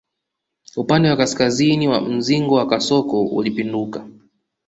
Upande wa kaskazini wa mzingo wa kasoko ulipinduka